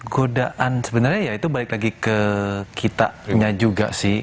godaan sebenarnya ya itu balik lagi ke kitanya juga sih